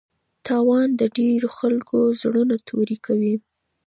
تاوان د ډېرو خلکو زړونه توري کوي.